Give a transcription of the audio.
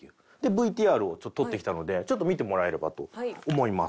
ＶＴＲを撮ってきたのでちょっと見てもらえればと思います。